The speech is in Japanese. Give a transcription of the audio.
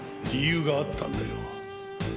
理由があったんだよ。